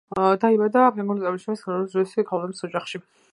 დაიბადა ფრანგული წარმომავლობის ცნობილი რუსი ხელოვანების ოჯახში.